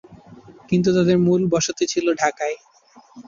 কিন্তু তাদের মূল বসতি ছিল ঢাকায়।